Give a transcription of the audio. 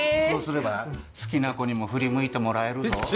そうすれば好きな子にも振り向いてもらえるぞ。